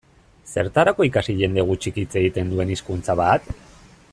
Zertarako ikasi jende gutxik hitz egiten duen hizkuntza bat?